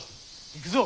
行くぞ。